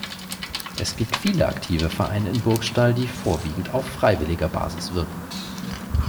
Es gibt viele aktive Vereine in Burgstall, die vorwiegend auf freiwilliger Basis wirken.